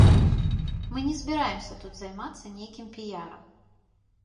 Мы не збіраемся тут займацца нейкім піярам.